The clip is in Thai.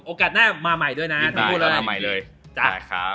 โอกาสหน้ามาใหม่ด้วยนะนายพูดแล้วนะ